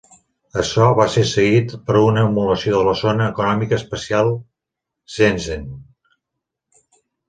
Açò va ser seguit per una emulació de la Zona Econòmica Especial Shenzhen.